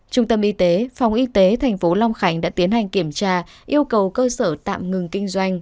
trung tâm y tế phòng y tế tp long khánh đã tiến hành kiểm tra yêu cầu cơ sở tạm ngừng kinh doanh